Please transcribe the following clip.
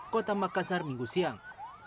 kota makassar minggu siang